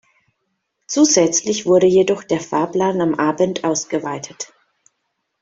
Zusätzlich wurde jedoch der Fahrplan am Abend ausgeweitet.